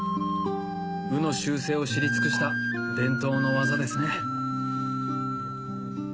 鵜の習性を知り尽くした伝統の技ですね